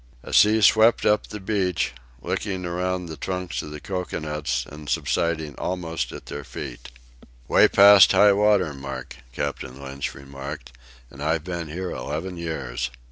A sea swept up the beach, licking around the trunks of the cocoanuts and subsiding almost at their feet. "Way past high water mark," Captain Lynch remarked; "and I've been here eleven years."